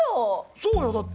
そうよだって。